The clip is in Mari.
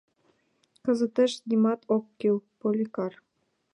Кызытеш нимат ок кӱл, Поликар.